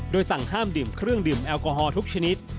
สั่งห้ามดื่มเครื่องดื่มแอลกอฮอลทุกชนิด